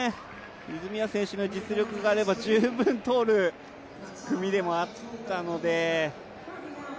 泉谷選手の実力があれば十分通る組でもあったので。